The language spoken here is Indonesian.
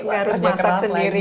gak harus masak sendiri